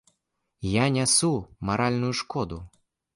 Я нясу маральную шкоду.